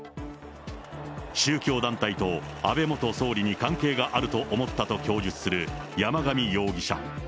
宗教団体と安倍元総理に関係があると思ったと供述する山上容疑者。